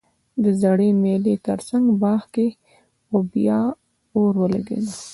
د زړې مېلې ترڅنګ باغ کې بیا اور ولګیده